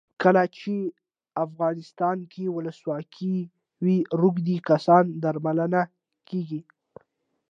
کله چې افغانستان کې ولسواکي وي روږدي کسان درملنه کیږي.